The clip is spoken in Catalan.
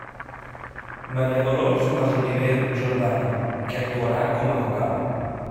Maria Dolors Masoliver Jordana, que actuarà com a vocal.